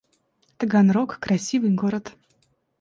Таганрог — красивый город